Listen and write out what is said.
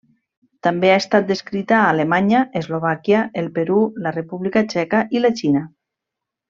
També ha estat descrita a Alemanya, Eslovàquia, el Perú, la República Txeca i la Xina.